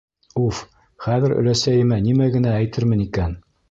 — Уф, хәҙер өләсәйемә нимә генә әйтермен икән?